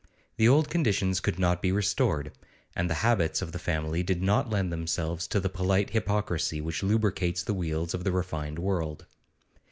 The old conditions could not be restored, and the habits of the family did not lend themselves to the polite hypocrisy which lubricates the wheels of the refined world.